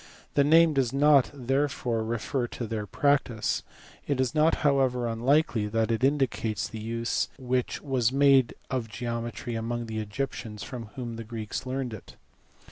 The name does not therefore refer to their practice. It is not however unlikely that it indicates the use which was made of geometry among the Egyptians from whom the Greeks learned it.